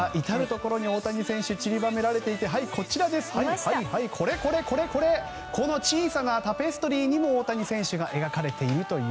至るところに大谷選手が散りばめられていてこの小さなタペストリーにも大谷選手が描かれていると。